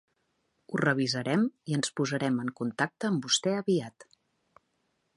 Ho revisarem i ens posarem en contacte amb vostè aviat.